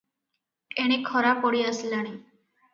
ଏଣେ ଖରା ପଡ଼ି ଆସିଲାଣି ।